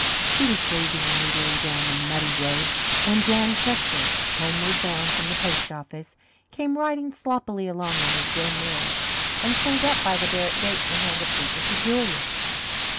He was gazing moodily down the muddy road when Dan Chester, homeward bound from the post office, came riding sloppily along on his grey mare and pulled up by the Barrett gate to hand a paper to Julius.